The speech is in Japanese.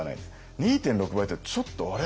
２．６倍だとちょっと「あれ？」